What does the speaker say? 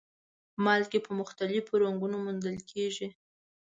مالګې په مختلفو رنګونو موندل کیږي.